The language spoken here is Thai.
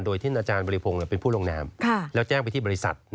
โดยที่อาจารย์บริพงศ์เป็นผู้ลงนามแล้วแจ้งไปที่บริษัท